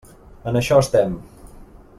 En això estem.